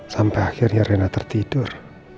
sampai akhirnya rena tertidur